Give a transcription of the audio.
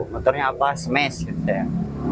motornya apa smash gitu ya